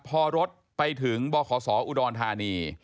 พอรถไปถึงบขศอุดรธานี